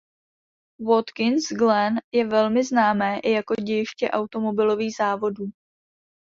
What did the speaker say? Watkins Glen je velmi známé i jako dějiště automobilových závodů.